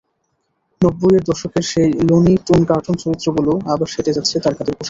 নব্বইয়েই দশকের সেই লুনি টুন কার্টুন চরিত্রগুলো আবার সেঁটে যাচ্ছে তারকাদের পোশাকে।